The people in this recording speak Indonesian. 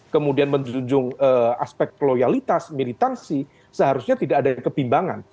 kemudian menjunjung aspek loyalitas militansi seharusnya tidak ada kebimbangan